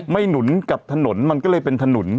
หนุนกับถนนมันก็เลยเป็นถนน